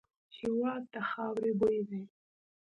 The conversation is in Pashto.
هېواد د خاوري بوی دی.